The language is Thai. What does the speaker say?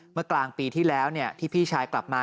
เมื่อกลางปีที่แล้วที่พี่ชายกลับมา